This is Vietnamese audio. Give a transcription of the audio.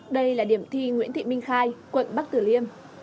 đây là điểm thi nguyễn thị minh khai quận bắc tử liêm